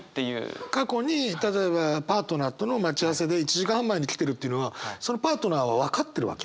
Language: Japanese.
過去に例えばパートナーとの待ち合わせで１時間半前に来てるっていうのはそのパートナーは分かってるわけ？